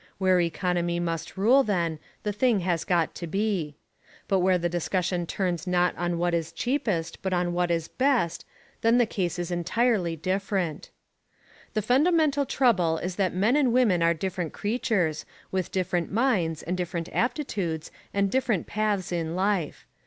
Where economy must rule, then, the thing has got to be. But where the discussion turns not on what is cheapest, but on what is best, then the case is entirely different. The fundamental trouble is that men and women are different creatures, with different minds and different aptitudes and different paths in life.